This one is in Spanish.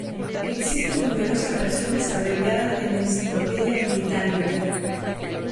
Existen numerosas versiones abreviadas de la enciclopedia "Britannica".